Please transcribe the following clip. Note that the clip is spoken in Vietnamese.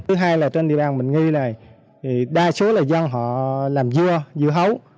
thứ hai là trên địa bàn bình nghi này thì đa số là dân họ làm dưa dư dưa hấu